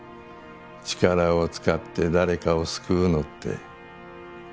力を使って誰かを救うのって。